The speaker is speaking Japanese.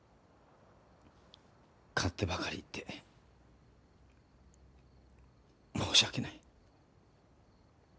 勝手ばかり言って申し訳ない。